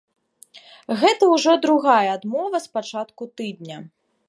Гэта ўжо другая адмова з пачатку тыдня.